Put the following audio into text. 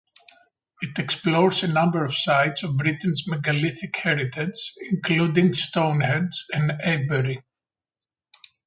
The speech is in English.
It explores a number of sites of Britain's megalithic heritage, including Stonehenge and Avebury.